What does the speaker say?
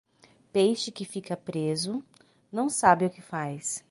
Peixe que fica preso, não sabe o que faz.